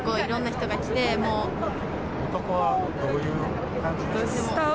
いろんな人が来てそこは、どういう感じでした。